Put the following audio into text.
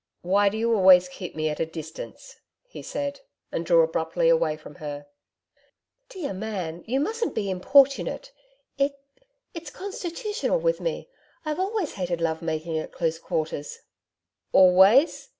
'Why do you always keep me at a distance?' he said, and drew abruptly away from her. 'Dear man, you mustn't be importunate. It it's constitutional with me. I've always hated love making at close quarters.' 'Always!